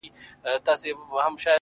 دوى ما اوتا نه غواړي؛